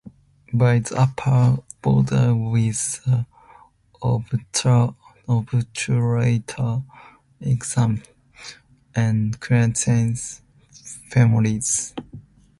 By its upper border with the obturator externus, and quadratus femoris.